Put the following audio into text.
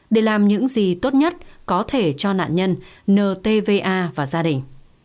để làm những gì tốt nhất có thể cho nạn nhân nờ tva và gia đình